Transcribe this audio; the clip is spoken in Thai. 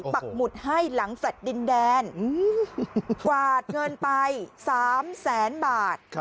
ปักหมุดให้หลังแฟลต์ดินแดนกวาดเงินไป๓แสนบาท